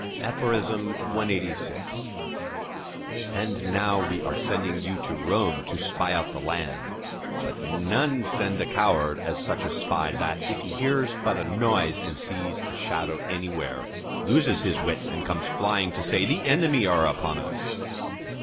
CLXXXVII And now we are sending you to Rome to spy out the land; but none send a coward as such a spy, that, if he hear but a noise and see a shadow moving anywhere, loses his wits and comes flying to say, _The enemy are upon us!